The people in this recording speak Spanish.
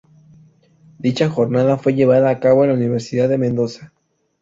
Dicha jornada fue llevada a cabo en la Universidad de Mendoza.